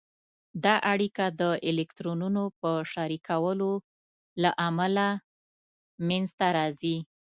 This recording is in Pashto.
دا اړیکه د الکترونونو په شریکولو له امله منځته راځي.